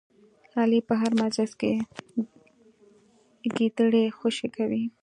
علي په هر مجلس کې ګیدړې خوشې کوي.